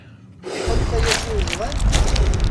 Iḥulfa-yas i wezɣal?